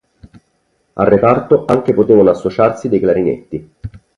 Al reparto anche potevano associarsi dei clarinetti.